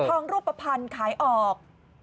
ทองรูปภัณฑ์ขายออก